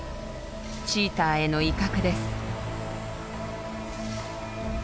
チーターへの威嚇です。